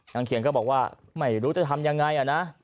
เขียนก็บอกว่าไม่รู้จะทำยังไงนะ